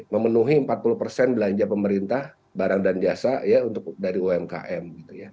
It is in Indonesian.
memenuhi empat puluh belanja pemerintah barang dan jasa dari umkm